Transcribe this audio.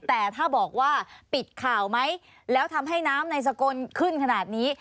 แต่ถ้าบอกว่าปิดข่าวไหมแล้วทำให้น้ำในสกลขึ้นขนาดนี้